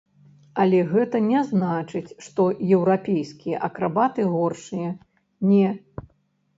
Але гэта не значыць, што еўрапейскія акрабаты горшыя, не!